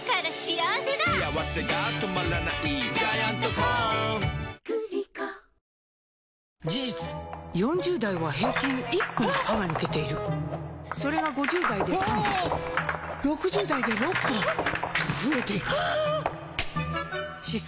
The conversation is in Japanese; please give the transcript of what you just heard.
「パーフェクトホイップ」事実４０代は平均１本歯が抜けているそれが５０代で３本６０代で６本と増えていく歯槽